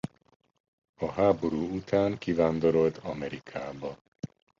A háború után kivándorolt Amerikába.